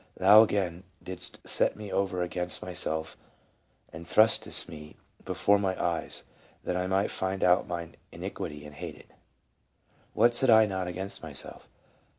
... Thou again didst set me over against myself and thrustedst me be fore my eyes, that I might find out mine iniquity and hate it. ..... What said I not against myself